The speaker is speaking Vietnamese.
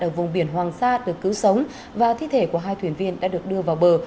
ở vùng biển hoàng sa được cứu sống và thi thể của hai thuyền viên đã được đưa vào bờ